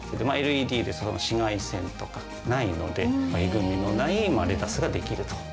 ＬＥＤで紫外線とかがないので、えぐみのないレタスが出来ると。